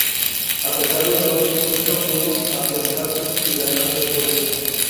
A pesar de todo, nunca pudo afianzarse y ganarse el puesto.